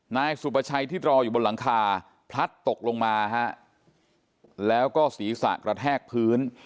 นายสุประชัยที่รออยู่บนหลังคาพลัดตกลงมาฮะแล้วก็ศีรษะกระแทกพื้น